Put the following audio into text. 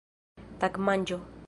tagmanĝo